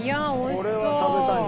これは食べたいね。